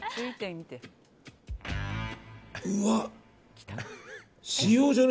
うわっ！